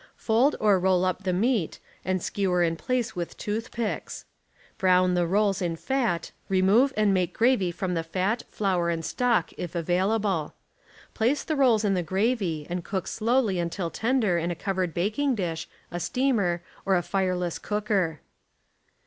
Fold or roll up the meat and skewer in place with tooth picks. Brown the rolls in fat, remove and make gravy from the fat. flour and stock if available. Place the rolls in the gravy and cook slowly until tender in a covered baking dish, a steamer, or a fireless cooker.